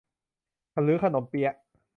หรือขนมเปี๊ยะ